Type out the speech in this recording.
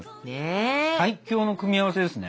最強の組み合わせですね。